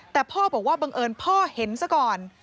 แต่พ่อบอกว่าบังเอิญพ่อเห็นซะก่อน